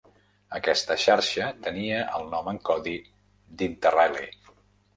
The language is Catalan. Aquesta xarxa tenia el nom en codi d'"Interallie".